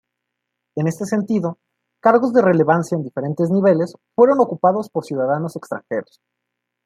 En este sentido, cargos de relevancia en diferentes niveles fueron ocupados por ciudadanos extranjeros.